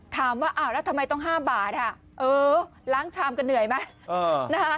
ถามว่าแล้วทำไมต้อง๕บาทล้างชามก็เหนื่อยไหม